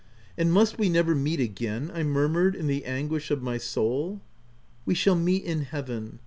" And must we never meet again ?" I mur mured in the anguish of my soul. "We shall meet in Heaven.